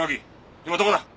今どこだ！？